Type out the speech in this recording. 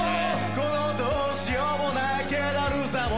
このどうしようもない気だるさも